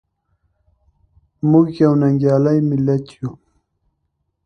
موږ یو ننګیالی ملت یو.